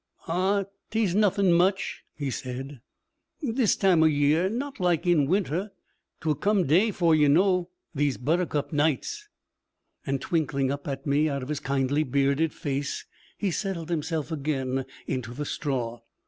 'Aw, 't es nothin' much,' he said, 'this time o' year; not like in winter. 'T will come day before yu know, these buttercup nights.' And twinkling up at me out of his kindly bearded face, he settled himself again into the straw.